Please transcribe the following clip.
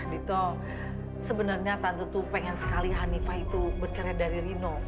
dito sebenarnya tante tuh pengen sekali hanifah itu bercerai dari rino